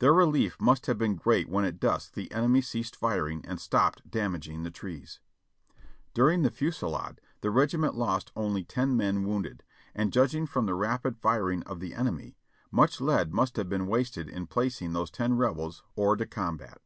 Their relief must have been great when at dusk the enemy ceased firing and stopped damaging the trees. During the fusilade the regiment lost only ten men wounded, and judging from the rapid firing of the enemy, much lead must have been wasted in placing those ten Rebels hors de combat.